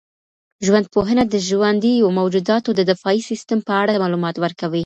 ژوندپوهنه د ژوندیو موجوداتو د دفاعي سیسټم په اړه معلومات ورکوي.